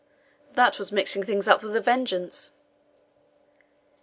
That was mixing things up with a vengeance."